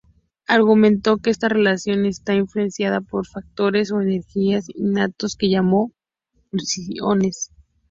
Argumentó que esa relación está influenciada por factores o energías innatos, que llamó pulsiones.